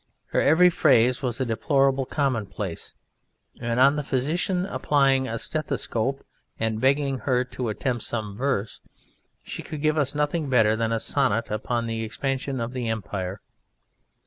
Her every phrase was a deplorable commonplace, and, on the physician applying a stethoscope and begging her to attempt some verse, she could give us nothing better than a sonnet upon the expansion of the Empire.